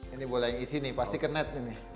ini bola yang isi nih pasti kenet